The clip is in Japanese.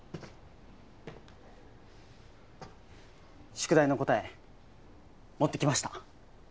宿題の答え持ってきました。